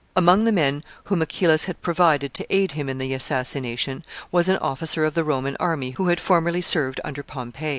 ] Among the men whom Achillas had provided to aid him in the assassination was an offieer of the Roman army who had formerly served under Pompey.